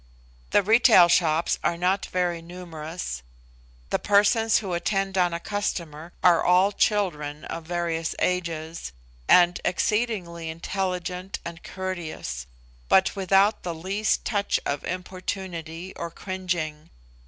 The retail shops are not very numerous; the persons who attend on a customer are all children of various ages, and exceedingly intelligent and courteous, but without the least touch of importunity or cringing.